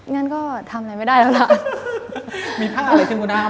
งั้นก็ทำอะไรไว้ไม่ได้หรือนะ